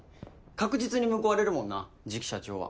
確実に報われるもんな次期社長は。